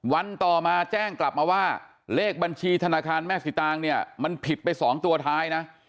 วันต่อมาแจ้งกลับมาว่าเลขบัญชีธนาคารแม่สิตางเนี่ยมันผิดไป๒ตัวท้ายนะ